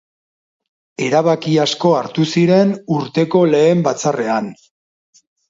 Erabaki asko hartu ziren urteko lehen batzarrean.